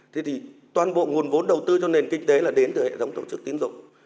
thế thì toàn bộ nguồn vốn đầu tư cho nền kinh tế là đến từ hệ thống tổ chức tiến dụng